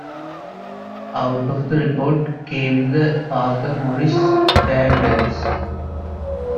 Out of the report came the Parker Morris Standards.